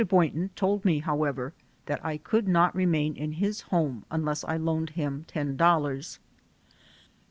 Boynton told me, however, that I could not remain in his home unless I loaned him $10. Mrs.